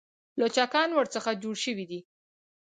لوچکان ورڅخه جوړ شوي دي.